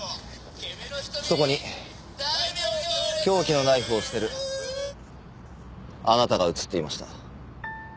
そこに凶器のナイフを捨てるあなたが映っていました。